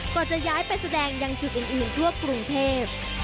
จะย้ายไปแสดงยังจุดอื่นทั่วกรุงเทพ